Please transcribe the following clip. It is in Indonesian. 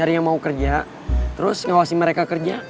iya nyari yang mau kerja terus ngawasi mereka kerja